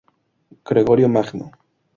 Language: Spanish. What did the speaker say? Gregorio Magno.